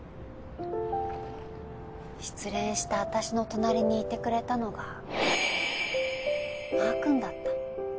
失恋した私の隣にいてくれたのがマー君だった。